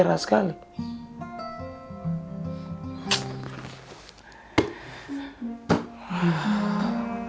tidak ada yang berbahaya sekali